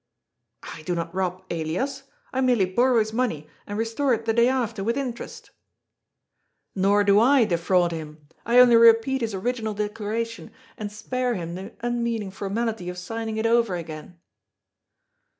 " I do not rob Elias. I merely borrow his money, and restore it the day after, with interest." THE SHADOW OF THE SWORD. 413 " Hor do I defraud him. I only repeat his original dec laration, and spare him the unmeaning formality of sign ing it over again."